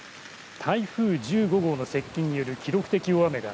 台風１５号の接近による記録的大雨が